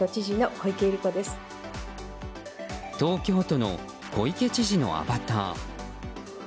東京都の小池知事のアバター。